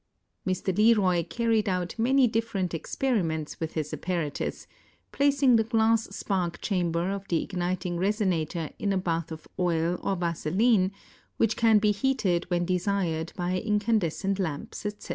Mr. Leroy carried out many different ex periments with his apparatus, placing the glass spark chamber of the igniting reso nator in a bath of oil or vaseline, which can be heated when desired by incandes cent lamps, etc.